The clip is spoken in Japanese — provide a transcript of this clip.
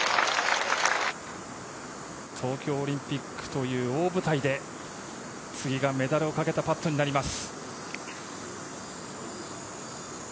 東京オリンピックという大舞台で次がメダルをかけたパットになります。